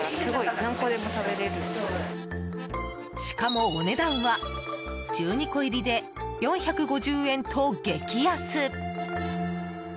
しかも、お値段は１２個入りで４５０円と激安。